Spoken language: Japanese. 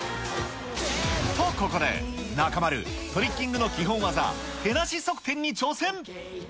と、ここで中丸、トリッキングの基本技、手なし側転に挑戦。